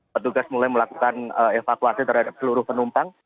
petugas mulai melakukan evakuasi terhadap seluruh penumpang